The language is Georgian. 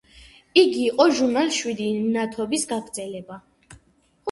იგი იყო ჟურნალ შვიდი მნათობის გაგრძელება.